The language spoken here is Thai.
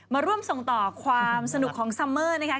มาร่วมส่งต่อความสนุกของซัมเมอร์นะคะ